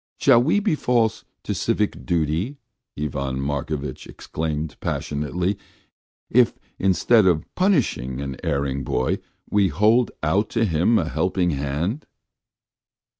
... "Shall we be false to civic duty," Ivan Markovitch exclaimed passionately, "if instead of punishing an erring boy we hold out to him a helping hand?"